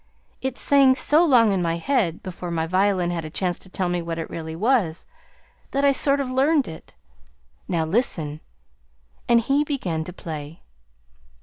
It sang so long in my head, before my violin had a chance to tell me what it really was, that I sort of learned it. Now, listen!" And he began to play.